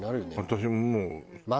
私ももう。